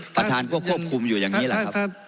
ประธานก็ควบคุมอยู่อย่างนี้แหละครับ